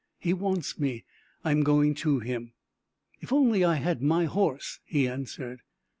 "He wants me. I am going to him." "If only I had my horse!" he answered.